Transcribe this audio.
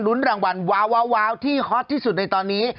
รางวัลว้าวที่ฮอตที่สุดในตอนนี้